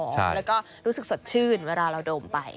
แล้วก็รู้สึกสดชื่นเวลาเราดมไป